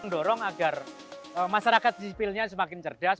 mendorong agar masyarakat sipilnya semakin cerdas